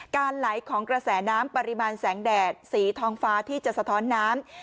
ไหลของกระแสน้ำปริมาณแสงแดดสีทองฟ้าที่จะสะท้อนน้ำ